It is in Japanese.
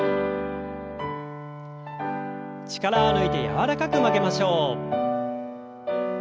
力を抜いて柔らかく曲げましょう。